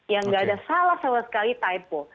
yang tidak ada salah sekali selah typo